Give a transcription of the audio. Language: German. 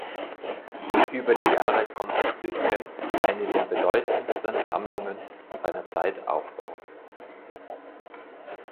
Über die Jahre konnte Hüsgen eine der bedeutendsten Sammlungen seiner Zeit aufbauen.